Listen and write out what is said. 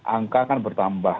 angka kan bertambah